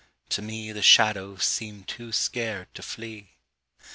To me The shadows seem too scared to flee.